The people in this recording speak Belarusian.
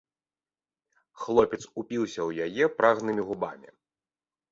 Хлопец упіўся ў яе прагнымі губамі.